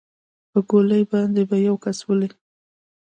په ګولۍ باندې به يو کس ولې.